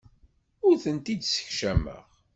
Ur tent-id-ssekcameɣ.